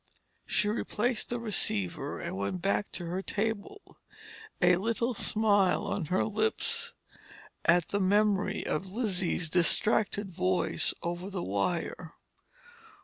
She replaced the receiver and went back to her table, a little smile on her lips at the memory of Lizzie's distracted voice over the wire.